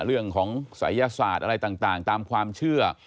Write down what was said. เรื่องของศัยศาสตร์อะไรต่างตามความเชื่อ